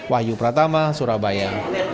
wahyu pratama surabaya